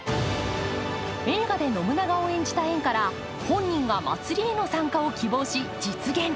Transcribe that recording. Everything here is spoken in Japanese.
映画で信長を演じた縁から本人が祭りへの参加を希望し、実現。